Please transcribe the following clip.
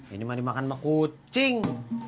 ini mah dimakan sama kucing